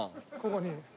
ここに。